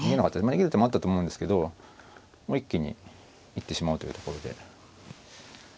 逃げる手もあったと思うんですけど一気に行ってしまおうというところで。